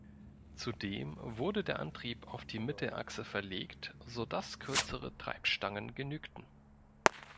Zudem wurde der Antrieb auf die Mittelachse verlegt, sodass kürzere Treibstangen genügten.